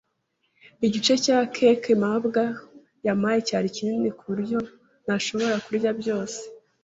Igice cya cake mabwa yampaye cyari kinini kuburyo ntashobora kurya byose.